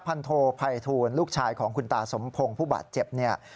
ภัณฑ์โทรไพทูลลูกชายของคุณตาสมโพงผู้บาดเจ็บ